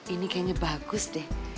ini kayaknya bagus deh